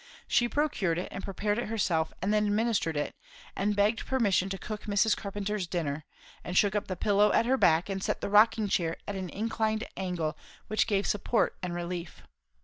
She procured it and prepared it herself, and then administered it, and begged permission to cook Mrs. Carpenter's dinner; and shook up the pillow at her back, and set the rocking chair at an inclined angle which gave support and relief.